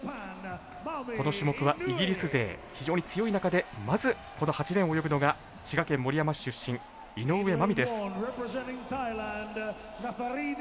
この種目はイギリス勢非常に強い中でまずこの８レーンを泳ぐのが滋賀県守山市出身井上舞美です。